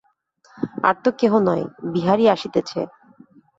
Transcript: আর তো কেহ নয়, বিহারী আসিতেছে।